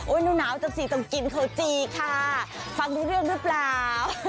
หนาวจังสิต้องกินข้าวจีค่ะฟังรู้เรื่องหรือเปล่า